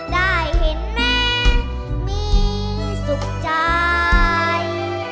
ได้เห็นแม่มีสุขใจ